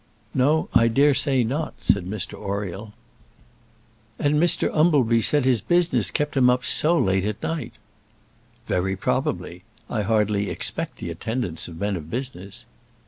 "No: I dare say not," said Mr Oriel. "And Mr Umbleby said his business kept him up so late at night." "Very probably. I hardly expect the attendance of men of business."